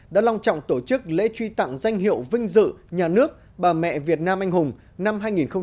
đã long trọng tổ chức lễ truy tặng danh hiệu vinh dự nhà nước bà mẹ việt nam anh hùng năm hai nghìn một mươi chín